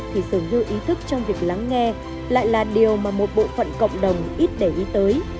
thì dường như ý thức trong việc lắng nghe lại là điều mà một bộ phận cộng đồng ít để ý tới